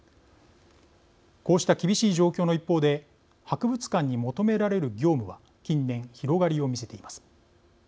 こうした厳しい状況の一方で博物館に求められる業務は近年、広がりを見せています。